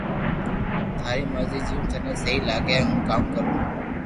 ٿاري مرزي جيم ٿني سھي لاگي ھون ڪاو ڪرو